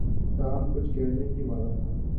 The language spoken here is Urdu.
ٹام کچھ کہنے ہی والا تھا۔